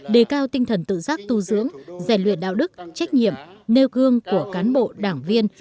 đề cao tinh thần tự giác tu dưỡng rèn luyện đạo đức trách nhiệm nêu gương của cán bộ đảng viên